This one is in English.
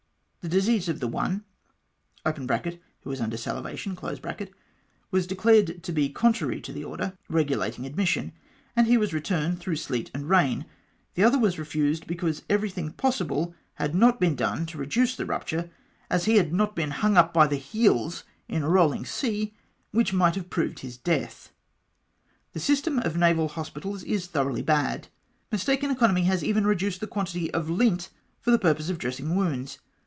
The disease of the one (who was under salivation) was declared to be con trary to the order regulating admission, and he was retm ned through sleet and rain : the other was refused because every thing jjossihle had not been done to reduce the ruptm e, as he had not been hung up by the heels, in a rolling sea, which might have proved his death !"' The system of naval hospitals is thoroughly bad. Mis taken economy has even reduced the quantity of lint for the purpose of dressing wounds.